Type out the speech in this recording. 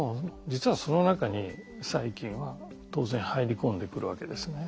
実はその中に細菌は当然入り込んでくるわけですね。